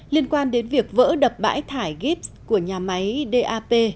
liên quan đến việc vỡ đập bãi thải gibbs của nhà máy dap